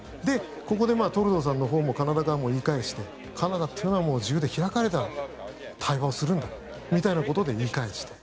ここでトルドーさんのほうもカナダ側も言い返してカナダというのは自由で開かれた対話をするんだみたいなことで言い返した。